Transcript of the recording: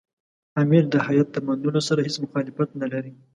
امیر د هیات د منلو سره هېڅ مخالفت نه لري.